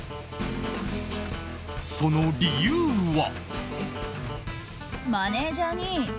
その理由は。